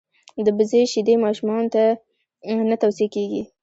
دبزې شیدي ماشومانوته نه تو صیه کیږي.